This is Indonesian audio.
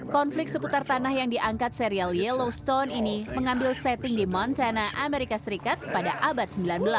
konflik seputar tanah yang diangkat serial yellowstone ini mengambil setting di montana amerika serikat pada abad sembilan belas